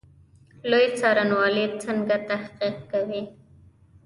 لوی څارنوالي څنګه تحقیق کوي؟